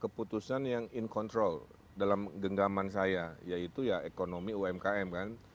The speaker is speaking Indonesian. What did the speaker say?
keputusan yang in control dalam genggaman saya yaitu ya ekonomi umkm kan